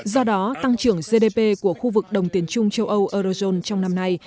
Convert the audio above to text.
do đó tăng trưởng gdp của khu vực đồng tiền chung châu âu eurozone trong năm nay